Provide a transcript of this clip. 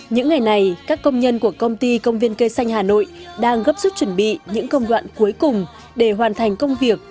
những ngày này các công nhân của công ty công viên cây xanh hà nội đang gấp rút chuẩn bị những công đoạn cuối cùng để hoàn thành công việc